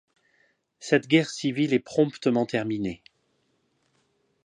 Cette guerre civile est promptement terminée.